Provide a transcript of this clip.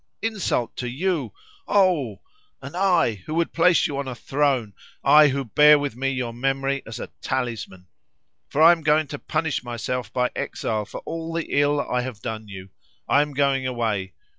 Insult to you! Oh! And I, who would place you on a throne! I who bear with me your memory as a talisman! For I am going to punish myself by exile for all the ill I have done you. I am going away.